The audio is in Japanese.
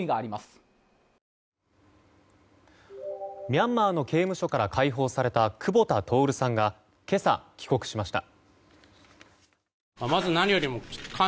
ミャンマーの刑務所から解放された久保田徹さんが今朝、帰国しました。